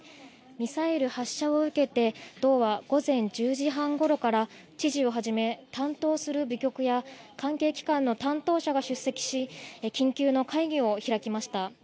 ミサイル発射を受けて道は午前１０時半ごろから知事をはじめ担当する部局や関係機関の担当者が出席し緊急の会議を開きました。